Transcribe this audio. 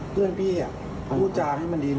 เพื่อนพี่พูดจาให้มันดี